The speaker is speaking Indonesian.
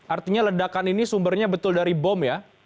artinya ledakan ini sumbernya betul dari bom ya